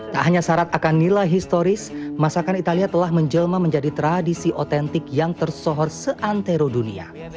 tak hanya syarat akan nilai historis masakan italia telah menjelma menjadi tradisi otentik yang tersohor seantero dunia